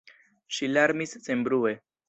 Ŝi larmis senbrue.